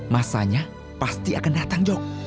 masanya pasti akan datang dok